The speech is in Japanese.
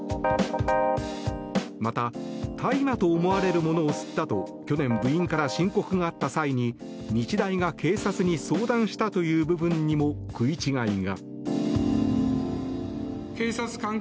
また大麻と思われるものを吸ったと去年、部員から申告があった際に日大が警察に相談したという部分にも食い違いが。